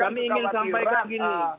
kami ingin sampaikan begini